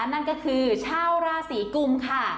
นั่นก็คือชาวราศีกุมค่ะ